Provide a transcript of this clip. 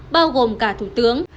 bao gồm cả thủ tướng